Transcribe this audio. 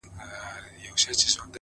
پوهه د محدودو نظریو پولې پراخوي